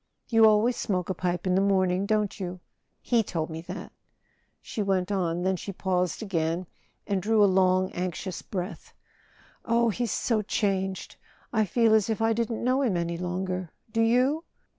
"You always smoke a pipe in the morning, don't you? He told me that," she went on; then she paused again and drew a long anxious breath. "Oh, he's so changed ! I feel as if I didn't know him any longer—do you?"